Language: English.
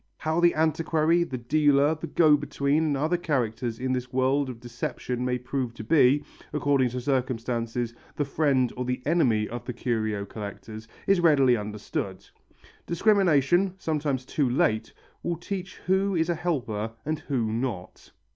How the antiquary, the dealer, the go between and other characters in this world of deception may prove to be, according to circumstances, the friend or the enemy of the curio collectors, is readily understood. Discrimination, sometimes too late, will teach who is a helper and who not.